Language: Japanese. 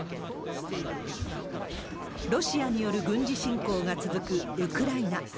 ロシアによる軍事侵攻が続くウクライナ。